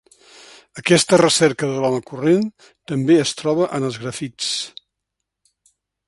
Aquesta recerca de l’home corrent també es troba en els grafits.